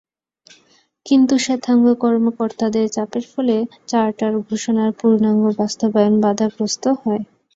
কিন্তু শ্বেতাঙ্গ কর্মকর্তাদের চাপের ফলে চার্টার ঘোষণার পূর্ণাঙ্গ বাস্তবায়ন বাধাগ্রস্ত হয়।